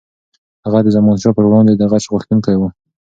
هغه د زمانشاه پر وړاندې د غچ غوښتونکی و.